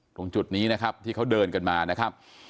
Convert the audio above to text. ตรงจุดนี้นะครับที่เขาเดินกันมานะครับ